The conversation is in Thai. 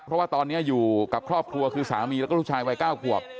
เพราะว่าตอนนี้อยู่กับครอบครัวคือสามีแล้วก็ลูกชายวัย๙ขวบ